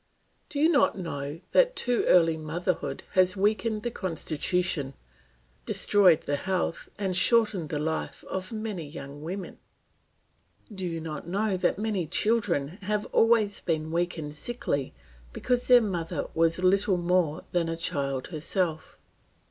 Do you not know that too early motherhood has weakened the constitution, destroyed the health, and shortened the life of many young women? Do you not know that many children have always been weak and sickly because their mother was little more than a child herself?